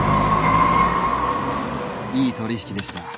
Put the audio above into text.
いい取引でした。